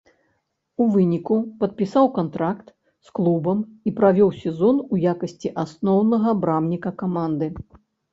У выніку падпісаў кантракт з клубам і правёў сезон у якасці асноўнага брамніка каманды.